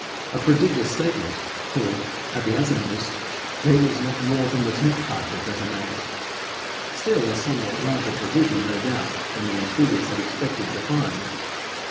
a prodigious statement, for, at the uttermost, there was not more than the tenth part of that amount still a somewhat larger provision no doubt than the intruders had expected to find!